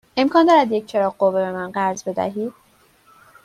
امکان دارد یک چراغ قوه به من قرض بدهید؟